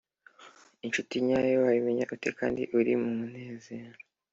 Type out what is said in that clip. Incuti nyayo wayimenya ute kandi uri mu munezero?